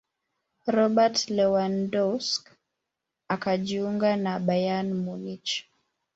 robert lewandowsk akajiunga na bayern munich